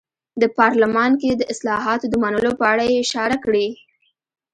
د پارلمان کې د اصلاحاتو د منلو په اړه یې اشاره کړې.